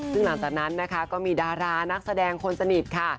ซึ่งหลังจากนั้นนะคะก็มีดารานักแสดงคนสนิทค่ะ